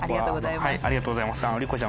ありがとうございます。